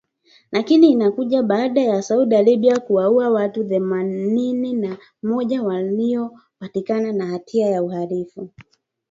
Lakini inakuja baada ya Saudi Arabia kuwaua watu themanini na moja waliopatikana na hatia ya uhalifu